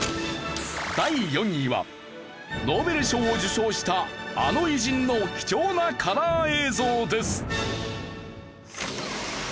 第４位はノーベル賞を受賞したあの偉人の貴重なカラー映像です。